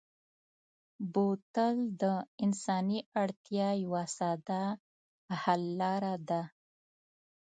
بوتل د انساني اړتیا یوه ساده حل لاره ده.